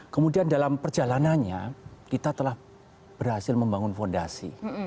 kemudian dalam perjalanannya kita telah berhasil membangun fondasi